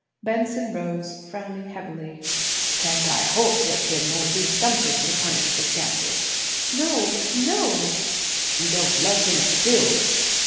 Benson rose, frowning heavily. "Can't I horsewhip him or do something to punish the scoundrel?" "No, no!" "You don't love him still?"